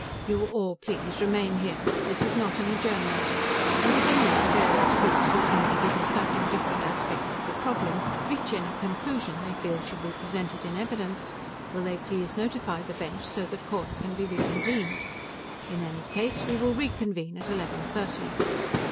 "You will all please remain here; this is not an adjournment, and if any of the various groups who seem to be discussing different aspects of the problem reach any conclusion they feel should be presented in evidence, will they please notify the bench so that court can be reconvened. In any case, we will reconvene at eleven thirty."